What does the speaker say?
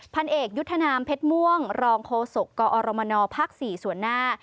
พันเอกยุทธนามเพชรม่วงรองโฆษกกอรมนภ๔ส่วนหน้า